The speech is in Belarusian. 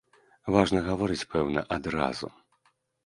Важна гаворыць, пэўна, адразу.